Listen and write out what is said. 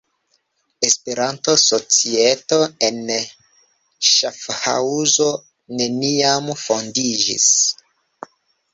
Esperanto-Societo en Ŝafhaŭzo neniam fondiĝis.